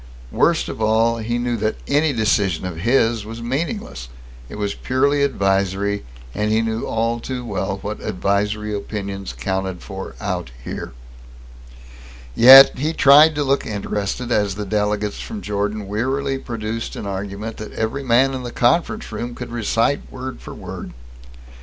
Worst of all, he knew that any decision of his was meaningless. It was purely advisory, and he knew all too well what "advisory" opinions counted for out here. Yet he tried to look interested as the delegate from Jordan wearily produced an argument that every man in the conference room could recite word for word.